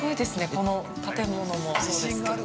この建物もそうですけど。